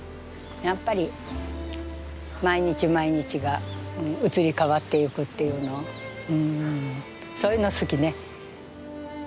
やっぱり毎日毎日が移り変わっていくっていうのうんそういうの好きね。